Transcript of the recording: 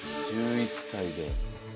１１歳で。